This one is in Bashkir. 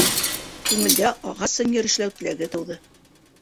Күңелдә ағас сынйыр эшләү теләге тыуҙы.